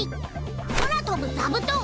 空飛ぶざぶとん！